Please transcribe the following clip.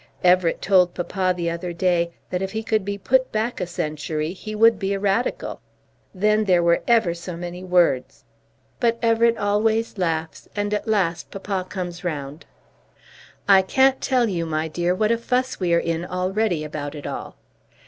Everett told papa the other day that if he could be put back a century he would be a Radical. Then there were ever so many words. But Everett always laughs, and at last papa comes round. I can't tell you, my dear, what a fuss we are in already about it all.